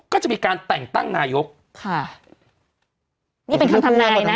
ก็จะมีการแต่งตั้งนายกค่ะนี่เป็นคำทำนายนะ